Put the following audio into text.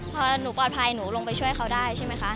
พอหนูปลอดภัยหนูลงไปช่วยเขาได้ใช่ไหมคะ